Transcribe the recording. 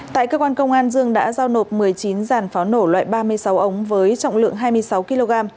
tại cơ quan công an dương đã giao nộp một mươi chín giàn pháo nổ loại ba mươi sáu ống với trọng lượng hai mươi sáu kg